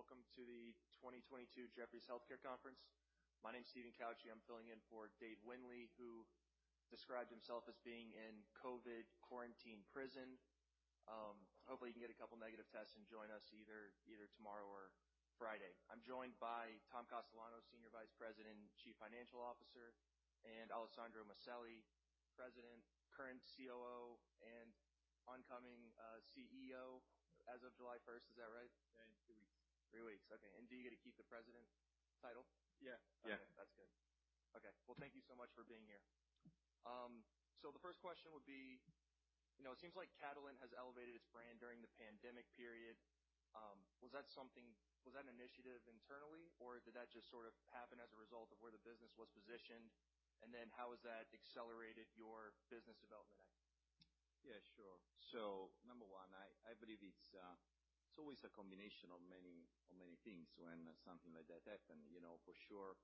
Welcome to the 2022 Jefferies Healthcare Conference. My name's Steven Couche. I'm filling in for Dave Windley, who described himself as being in COVID quarantine prison. Hopefully, he can get a couple of negative tests and join us either tomorrow or Friday. I'm joined by Tom Castellano, Senior Vice President and Chief Financial Officer, and Alessandro Maselli, President, current COO and incoming CEO as of July 1st. Is that right? Yeah, in three weeks. Three weeks. Okay. And do you get to keep the President title? Yeah. Yeah. That's good. Okay. Well, thank you so much for being here. So the first question would be, it seems like Catalent has elevated its brand during the pandemic period. Was that something, was that an initiative internally, or did that just sort of happen as a result of where the business was positioned? And then how has that accelerated your business development? Yeah, sure. So number one, I believe it's always a combination of many things when something like that happened. For sure,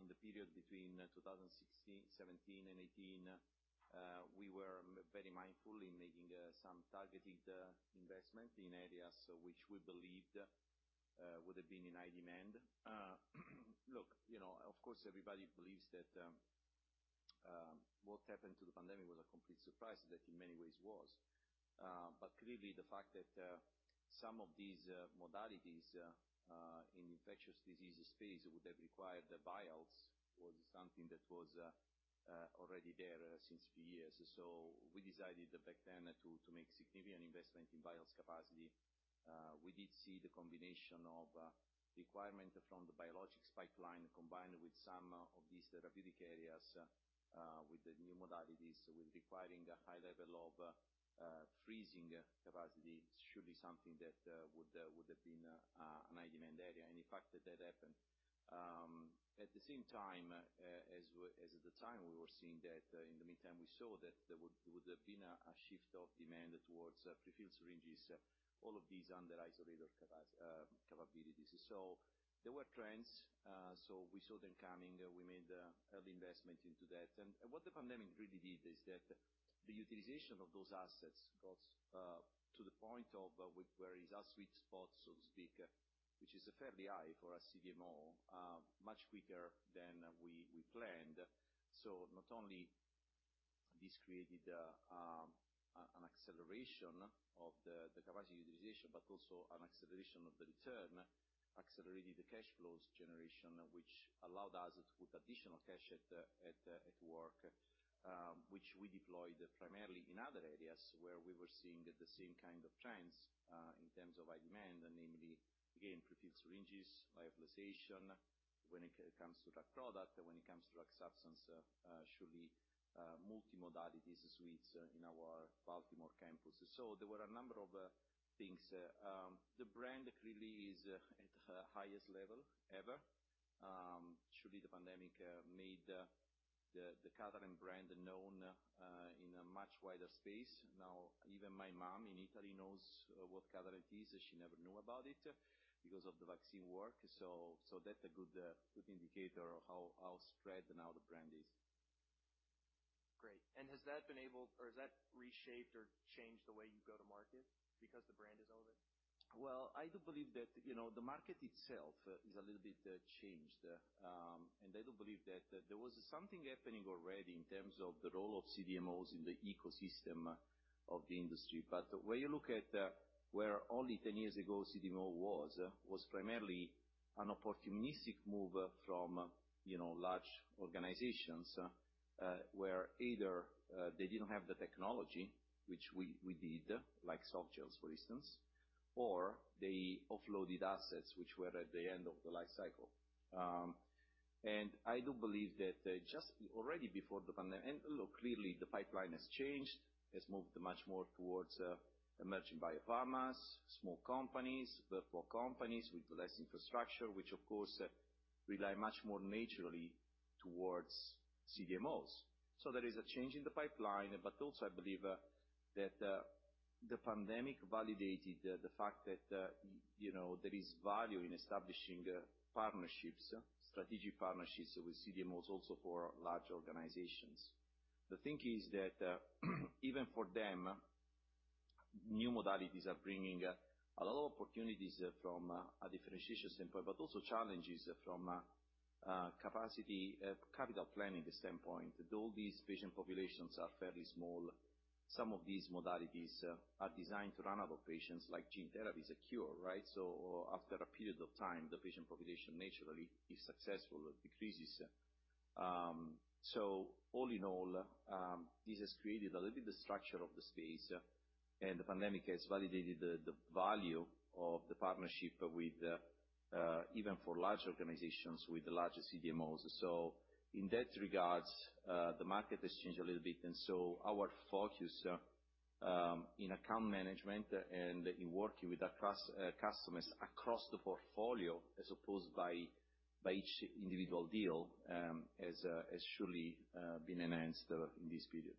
in the period between 2016, 2017, and 2018, we were very mindful in making some targeted investment in areas which we believed would have been in high demand. Look, of course, everybody believes that what happened to the pandemic was a complete surprise, that in many ways was. But clearly, the fact that some of these modalities in infectious disease space would have required vials was something that was already there since a few years. So we decided back then to make significant investment in vials capacity. We did see the combination of requirement from the biologics pipeline combined with some of these therapeutic areas with the new modalities with requiring a high level of freezing capacity should be something that would have been a high demand area. In fact, that happened. At the same time, as at the time we were seeing that, in the meantime, we saw that there would have been a shift of demand towards prefilled syringes, all of these under isolator capabilities. There were trends. We saw them coming. We made early investment into that. And what the pandemic really did is that the utilization of those assets got to the point of where it is our sweet spot, so to speak, which is fairly high for us CDMO, much quicker than we planned. Not only this created an acceleration of the capacity utilization, but also an acceleration of the return, accelerated the cash flows generation, which allowed us to put additional cash at work, which we deployed primarily in other areas where we were seeing the same kind of trends in terms of high demand, namely, again, prefilled syringes, lyophilization when it comes to drug product, when it comes to drug substance, surely multi-modalities suites in our Baltimore campus. So there were a number of things. The brand clearly is at the highest level ever. Surely the pandemic made the Catalent brand known in a much wider space. Now, even my mom in Italy knows what Catalent is. She never knew about it because of the vaccine work. So that's a good indicator of how spread now the brand is. Great. And has that been able or has that reshaped or changed the way you go to market because the brand is open? Well, I do believe that the market itself is a little bit changed. And I do believe that there was something happening already in terms of the role of CDMOs in the ecosystem of the industry. But when you look at where only 10 years ago CDMO was, was primarily an opportunistic move from large organizations where either they didn't have the technology, which we did, like softgels, for instance, or they offloaded assets which were at the end of the life cycle. And I do believe that just already before the pandemic and look, clearly the pipeline has changed, has moved much more towards emerging biopharmas, small companies, virtual companies with less infrastructure, which of course rely much more naturally towards CDMOs. So there is a change in the pipeline. But also, I believe that the pandemic validated the fact that there is value in establishing partnerships, strategic partnerships with CDMOs also for large organizations. The thing is that even for them, new modalities are bringing a lot of opportunities from a differentiation standpoint, but also challenges from a capacity capital planning standpoint. Though these patient populations are fairly small, some of these modalities are designed to run out of patients. Like gene therapy is a cure, right? So after a period of time, the patient population naturally is successful, decreases. So all in all, this has created a little bit of structure of the space. And the pandemic has validated the value of the partnership with even for large organizations with the larger CDMOs. So in that regard, the market has changed a little bit. And so our focus in account management and in working with our customers across the portfolio as opposed by each individual deal has surely been enhanced in this period.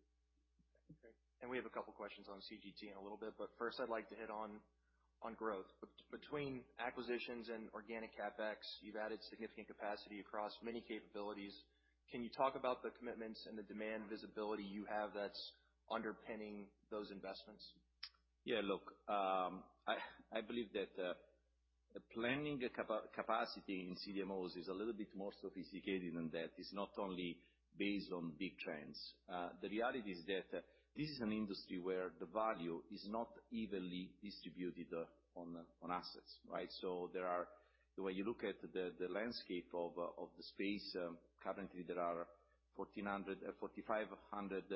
Great. And we have a couple of questions on CGT in a little bit. But first, I'd like to hit on growth. Between acquisitions and organic CapEx, you've added significant capacity across many capabilities. Can you talk about the commitments and the demand visibility you have that's underpinning those investments? Yeah. Look, I believe that the planning capacity in CDMOs is a little bit more sophisticated than that. It's not only based on big trends. The reality is that this is an industry where the value is not evenly distributed on assets, right? So when you look at the landscape of the space, currently there are 4,500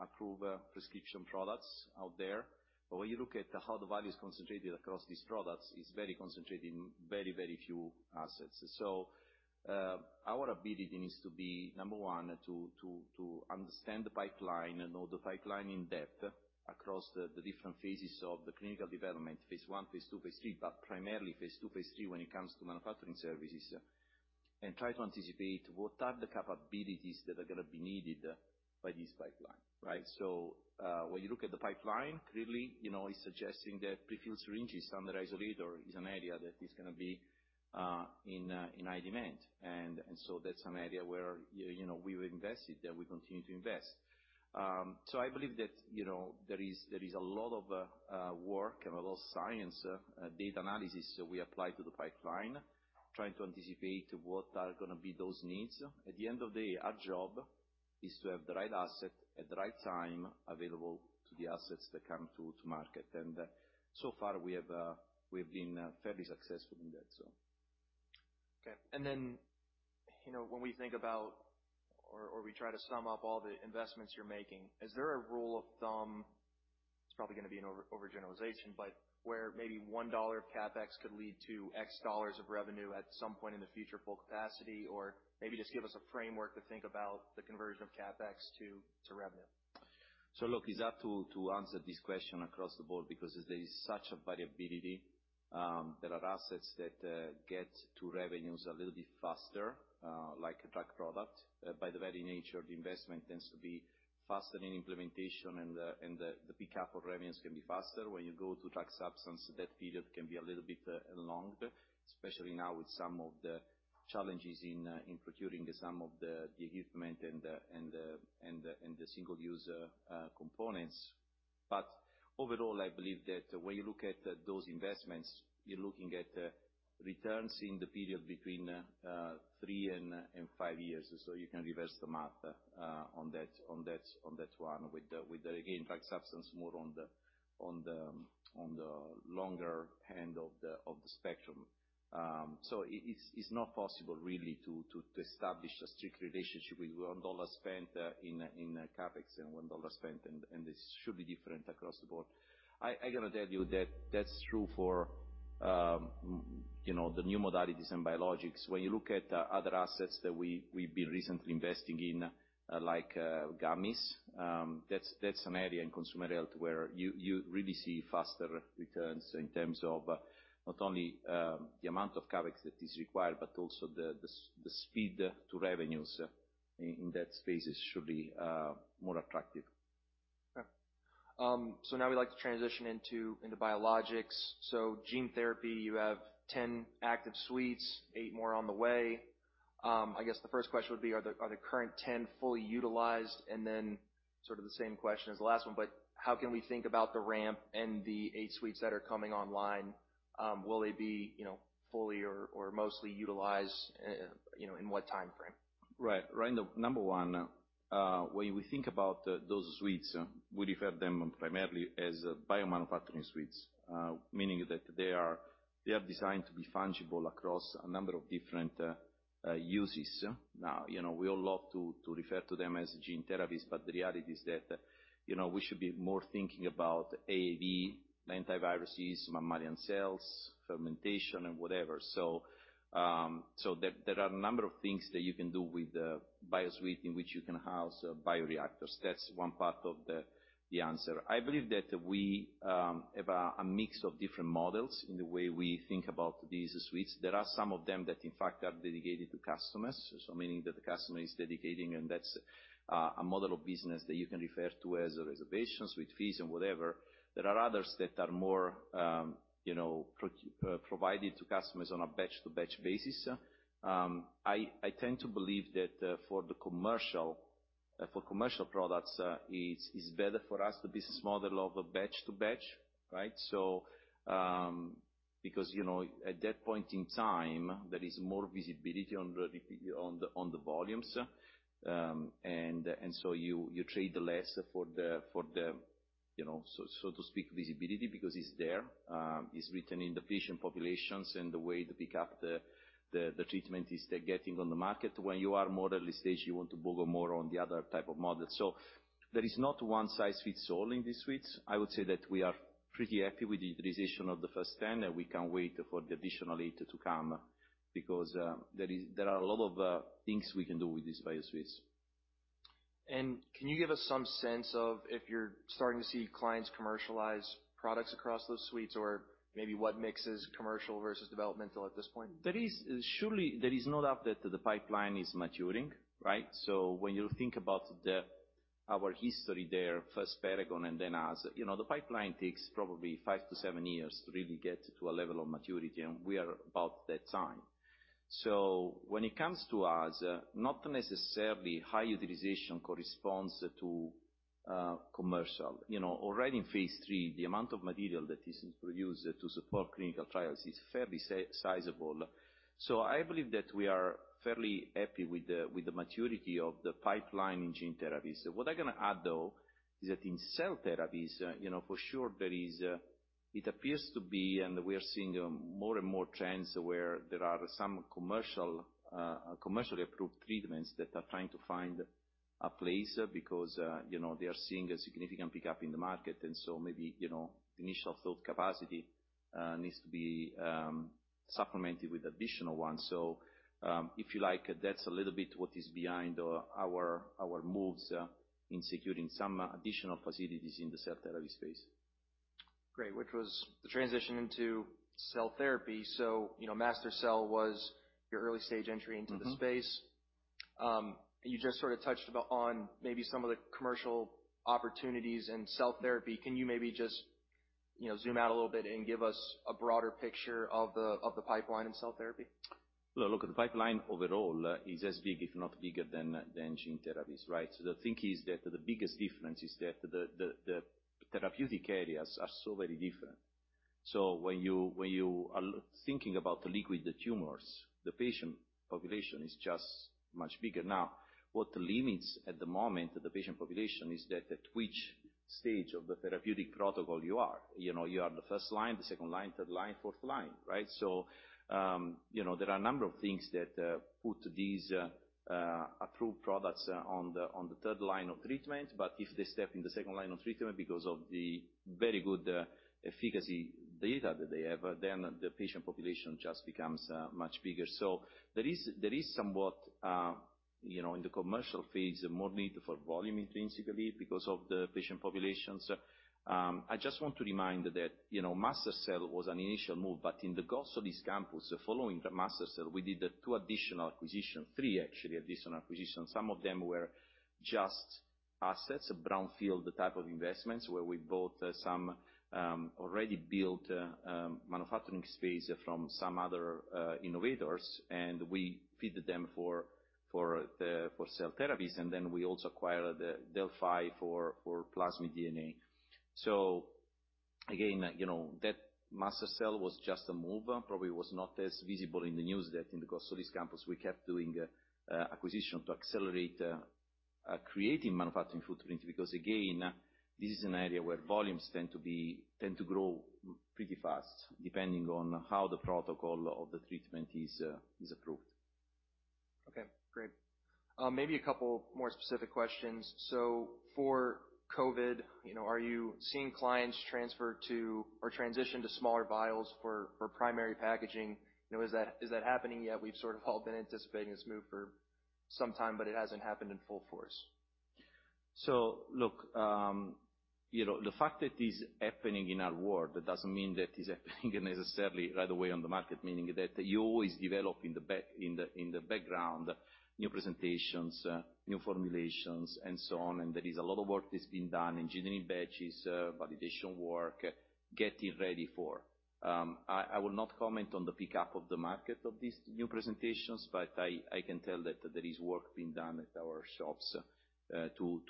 approved prescription products out there. But when you look at how the value is concentrated across these products, it's very concentrated in very, very few assets. So our ability needs to be, number one, to understand the pipeline, know the pipeline in depth across the different phases of the clinical development, phase I, phase II, phase III, but primarily phase II, phase III when it comes to manufacturing services, and try to anticipate what are the capabilities that are going to be needed by this pipeline, right? So when you look at the pipeline, clearly it's suggesting that prefilled syringes under isolator is an area that is going to be in high demand. And so that's an area where we will invest in, that we continue to invest. So I believe that there is a lot of work and a lot of science, data analysis we apply to the pipeline, trying to anticipate what are going to be those needs. At the end of the day, our job is to have the right asset at the right time available to the assets that come to market. And so far, we have been fairly successful in that, so. Okay. And then when we think about or we try to sum up all the investments you're making, is there a rule of thumb? It's probably going to be an overgeneralization, but where maybe $1 of CapEx could lead to X dollars of revenue at some point in the future full capacity, or maybe just give us a framework to think about the conversion of CapEx to revenue? So look, it's hard to answer this question across the board because there is such a variability. There are assets that get to revenues a little bit faster, like a drug product. By the very nature of the investment, it tends to be faster in implementation, and the pickup of revenues can be faster. When you go to drug substance, that period can be a little bit longer, especially now with some of the challenges in procuring some of the equipment and the single-use components. But overall, I believe that when you look at those investments, you're looking at returns in the period between three and five years. So you can reverse the math on that one with, again, drug substance more on the longer end of the spectrum. It's not possible really to establish a strict relationship with $1 spent in CapEx and $1 spent, and this should be different across the board. I got to tell you that that's true for the new modalities and biologics. When you look at other assets that we've been recently investing in, like gummies, that's an area in consumer health where you really see faster returns in terms of not only the amount of CapEx that is required, but also the speed to revenues in that space is surely more attractive. Okay. So now we'd like to transition into biologics. So gene therapy, you have 10 active suites, eight more on the way. I guess the first question would be, are the current 10 fully utilized? And then sort of the same question as the last one, but how can we think about the ramp and the eight suites that are coming online? Will they be fully or mostly utilized in what timeframe? Right. Right. Number one, when we think about those suites, we refer to them primarily as biomanufacturing suites, meaning that they are designed to be fungible across a number of different uses. Now, we all love to refer to them as gene therapies, but the reality is that we should be more thinking about AAV, adenoviruses, mammalian cells, fermentation, and whatever. So there are a number of things that you can do with a bio suite in which you can house bioreactors. That's one part of the answer. I believe that we have a mix of different models in the way we think about these suites. There are some of them that, in fact, are dedicated to customers, so meaning that the customer is dedicating, and that's a model of business that you can refer to as reservations with fees and whatever. There are others that are more provided to customers on a batch-to-batch basis. I tend to believe that for commercial products, it's better for us to be a small level of batch-to-batch, right? Because at that point in time, there is more visibility on the volumes, and so you trade less for the, so to speak, visibility because it's there. It's written in the patient populations, and the way the pickup, the treatment is getting on the market. When you are more early stage, you want to leverage more on the other type of model, so there is not one size fits all in these suites. I would say that we are pretty happy with the utilization of the first 10, and we can't wait for the additional eight to come because there are a lot of things we can do with these biosuites. Can you give us some sense of if you're starting to see clients commercialize products across those suites, or maybe what mixes commercial versus developmental at this point? Surely there is no doubt that the pipeline is maturing, right? So when you think about our history there, first Paragon and then us, the pipeline takes probably five to seven years to really get to a level of maturity, and we are about that time. So when it comes to us, not necessarily high utilization corresponds to commercial. Already in phase III, the amount of material that is produced to support clinical trials is fairly sizable. So I believe that we are fairly happy with the maturity of the pipeline in gene therapies. What I'm going to add, though, is that in cell therapies, for sure, there is. It appears to be, and we are seeing more and more trends where there are some commercially approved treatments that are trying to find a place because they are seeing a significant pickup in the market. And so maybe the initial thought capacity needs to be supplemented with additional ones. So if you like, that's a little bit what is behind our moves in securing some additional facilities in the cell therapy space. Great. Which was the transition into cell therapy. So MaSTherCell was your early stage entry into the space. You just sort of touched on maybe some of the commercial opportunities in cell therapy. Can you maybe just zoom out a little bit and give us a broader picture of the pipeline in cell therapy? Look, the pipeline overall is as big, if not bigger, than gene therapies, right? So the thing is that the biggest difference is that the therapeutic areas are so very different. So when you are thinking about liquid tumors, the patient population is just much bigger. Now, what limits at the moment the patient population is that at which stage of the therapeutic protocol you are. You are the first line, the second line, third line, fourth line, right? So there are a number of things that put these approved products on the third line of treatment. But if they step in the second line of treatment because of the very good efficacy data that they have, then the patient population just becomes much bigger. So there is somewhat in the commercial phase, more need for volume intrinsically because of the patient populations. I just want to remind that MaSTherCell was an initial move. But in the Gosselies campus, following MaSTherCell, we did two additional acquisitions, three actually additional acquisitions. Some of them were just assets, brownfield type of investments where we bought some already built manufacturing space from some other innovators, and we feed them for cell therapies. And then we also acquired Delphi for plasmid DNA. So again, that MaSTherCell was just a move. Probably was not as visible in the news that in the Gosselies campus, we kept doing acquisition to accelerate creating manufacturing footprint because, again, this is an area where volumes tend to grow pretty fast depending on how the protocol of the treatment is approved. Okay. Great. Maybe a couple more specific questions. So for COVID, are you seeing clients transfer to or transition to smaller vials for primary packaging? Is that happening yet? We've sort of all been anticipating this move for some time, but it hasn't happened in full force. So look, the fact that it is happening in our world, that doesn't mean that it's happening necessarily right away on the market, meaning that you always develop in the background new presentations, new formulations, and so on. And there is a lot of work that's been done, engineering batches, validation work, getting ready for. I will not comment on the pickup of the market of these new presentations, but I can tell that there is work being done at our shops to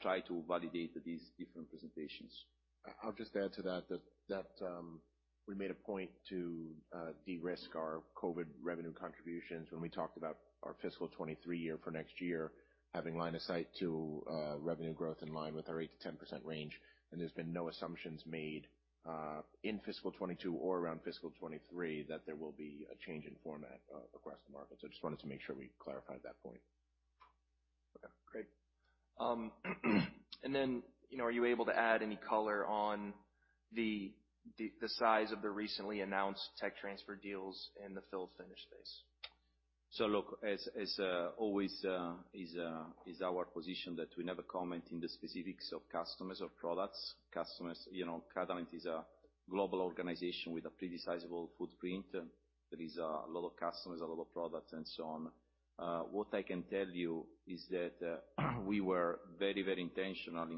try to validate these different presentations. I'll just add to that that we made a point to de-risk our COVID revenue contributions when we talked about our fiscal 2023 year for next year having line of sight to revenue growth in line with our 8%-10% range. And there's been no assumptions made in fiscal 2022 or around fiscal 2023 that there will be a change in format across the market. So I just wanted to make sure we clarified that point. Okay. Great. And then are you able to add any color on the size of the recently announced tech transfer deals in the fill-finish space? So look, it's always our position that we never comment in the specifics of customers or products. Catalent is a global organization with a pretty sizable footprint. There is a lot of customers, a lot of products, and so on. What I can tell you is that we were very, very intentional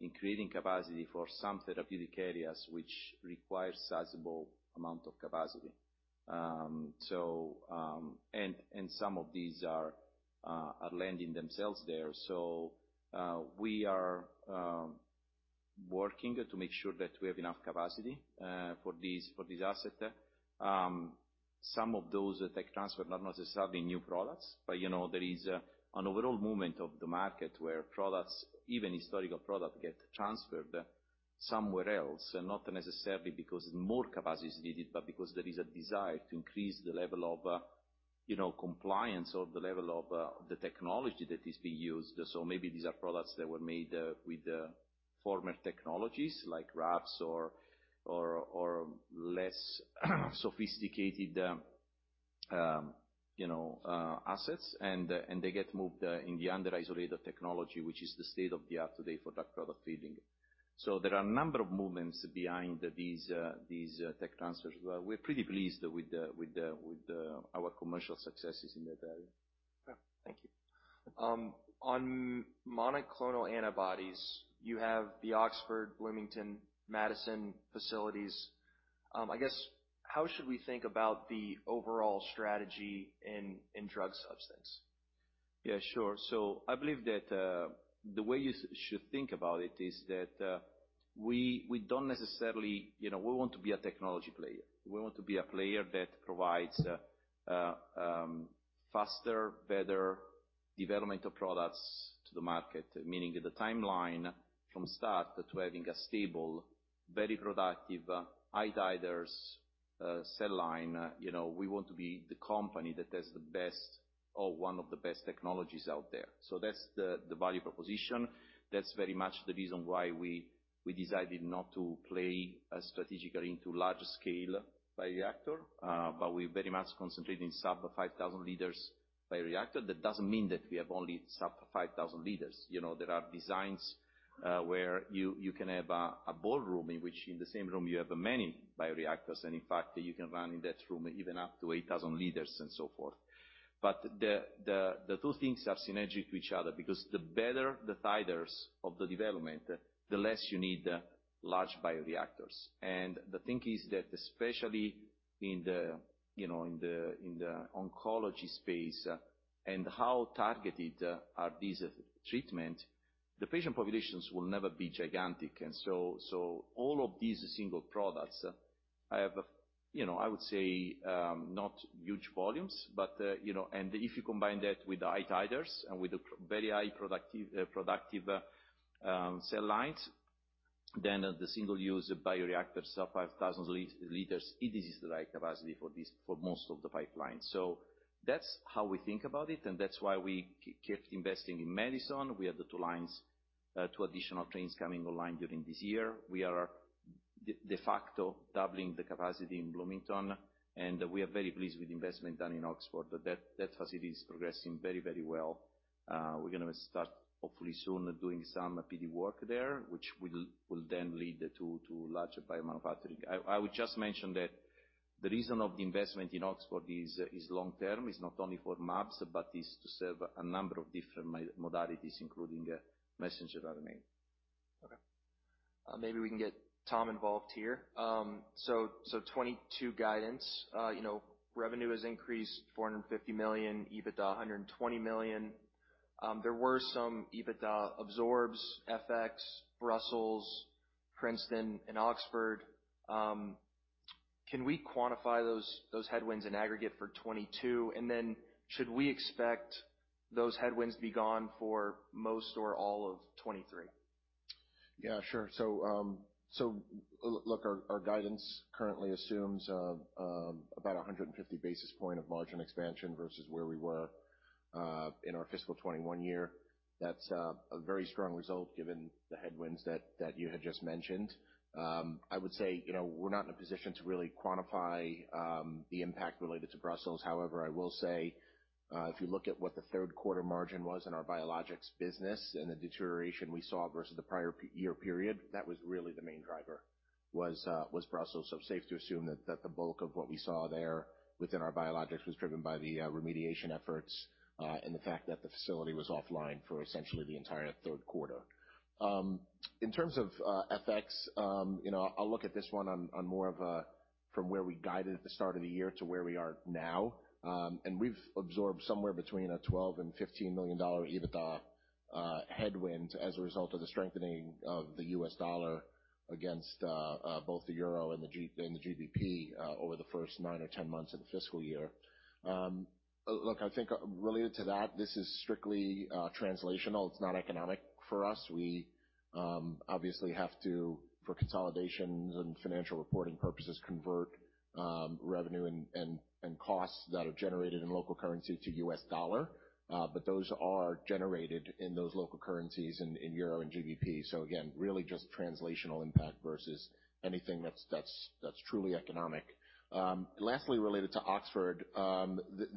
in creating capacity for some therapeutic areas which require a sizable amount of capacity. And some of these are lending themselves there. So we are working to make sure that we have enough capacity for these assets. Some of those tech transfers are not necessarily new products, but there is an overall movement of the market where products, even historical products, get transferred somewhere else, not necessarily because more capacity is needed, but because there is a desire to increase the level of compliance or the level of the technology that is being used. So maybe these are products that were made with former technologies like RABS or less sophisticated assets, and they get moved into the isolator technology, which is the state of the art today for drug product filling. So there are a number of movements behind these tech transfers. We're pretty pleased with our commercial successes in that area. Okay. Thank you. On monoclonal antibodies, you have the Oxford, Bloomington, Madison facilities. I guess, how should we think about the overall strategy in drug substance? Yeah, sure. So I believe that the way you should think about it is that we don't necessarily want to be a technology player. We want to be a player that provides faster, better development of products to the market, meaning the timeline from start to having a stable, very productive high-diverse cell line. We want to be the company that has the best or one of the best technologies out there. So that's the value proposition. That's very much the reason why we decided not to play strategically into large-scale bioreactor, but we're very much concentrated in sub-5,000 L bioreactor. That doesn't mean that we have only sub-5,000 L. There are designs where you can have a ballroom in which, in the same room, you have many bioreactors, and in fact, you can run in that room even up to 8,000 L and so forth. But the two things are synergistic to each other because the better the titers of the development, the less you need large bioreactors. And the thing is that especially in the oncology space and how targeted are these treatments, the patient populations will never be gigantic. And so all of these single products have, I would say, not huge volumes, but if you combine that with the high titers and with the very high productive cell lines, then the single-use bioreactor sub-5,000 L, it is the right capacity for most of the pipelines. So that's how we think about it, and that's why we kept investing in Madison. We have the two lines, two additional trains coming online during this year. We are de facto doubling the capacity in Bloomington, and we are very pleased with the investment done in Oxford. That facility is progressing very, very well. We're going to start, hopefully, soon doing some PD work there, which will then lead to larger biomanufacturing. I would just mention that the reason of the investment in Oxford is long-term. It's not only for mAbs, but it's to serve a number of different modalities, including messenger RNA. Okay. Maybe we can get Tom involved here. So 2022 guidance, revenue has increased $450 million, EBITDA $120 million. There were some EBITDA absorbs, FX, Brussels, Princeton, and Oxford. Can we quantify those headwinds in aggregate for 2022? And then should we expect those headwinds to be gone for most or all of 2023? Yeah, sure. So look, our guidance currently assumes about 150 basis points of margin expansion versus where we were in our fiscal 2021 year. That's a very strong result given the headwinds that you had just mentioned. I would say we're not in a position to really quantify the impact related to Brussels. However, I will say if you look at what the third-quarter margin was in our biologics business and the deterioration we saw versus the prior year period, that was really the main driver was Brussels. So safe to assume that the bulk of what we saw there within our biologics was driven by the remediation efforts and the fact that the facility was offline for essentially the entire third quarter. In terms of FX, I'll look at this one on more of a from where we guided at the start of the year to where we are now, and we've absorbed somewhere between a $12 million-$15 million EBITDA headwind as a result of the strengthening of the U.S. dollar against both the euro and the GBP over the first nine or 10 months of the fiscal year. Look, I think related to that, this is strictly translational. It's not economic for us. We obviously have to, for consolidations and financial reporting purposes, convert revenue and costs that are generated in local currency to U.S. dollar. But those are generated in those local currencies in euro and GBP. So again, really just translational impact versus anything that's truly economic. Lastly, related to Oxford,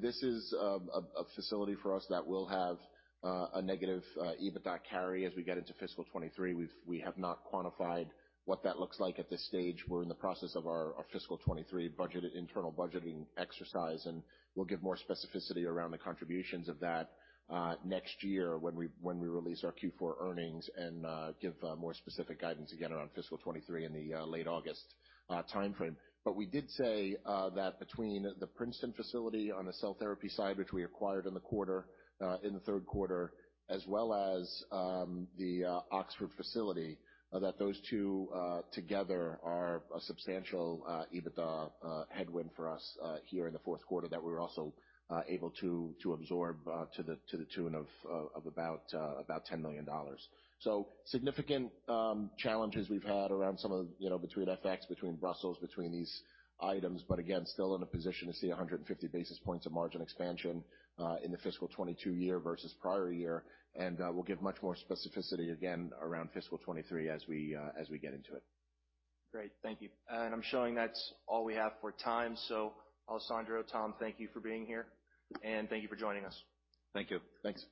this is a facility for us that will have a negative EBITDA carry as we get into fiscal 2023. We have not quantified what that looks like at this stage. We're in the process of our fiscal 2023 internal budgeting exercise, and we'll give more specificity around the contributions of that next year when we release our Q4 earnings and give more specific guidance again around fiscal 2023 in the late August timeframe. But we did say that between the Princeton facility on the cell therapy side, which we acquired in the third quarter, as well as the Oxford facility, that those two together are a substantial EBITDA headwind for us here in the fourth quarter that we were also able to absorb to the tune of about $10 million. Significant challenges we've had around some of between FX, between Brussels, between these items, but again, still in a position to see 150 basis points of margin expansion in the fiscal 2022 year versus prior year. We'll give much more specificity again around fiscal 2023 as we get into it. Great. Thank you. And I'm showing that's all we have for time. So Alessandro, Tom, thank you for being here, and thank you for joining us. Thank you. Thanks.